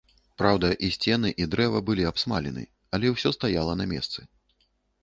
Праўда, і сцены, і дрэва былі абсмалены, але ўсё стаяла на месцы.